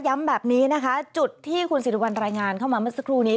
แบบนี้นะคะจุดที่คุณสิริวัลรายงานเข้ามาเมื่อสักครู่นี้